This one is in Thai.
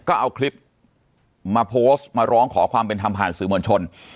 ก็เอาคลิปมาโพสต์มาร้องขอความเป็นธรรมผ่านสื่อมวลชน